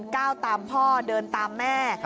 ก้าวตามพ่อเดินตามแม่